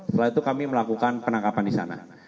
setelah itu kami melakukan penangkapan disana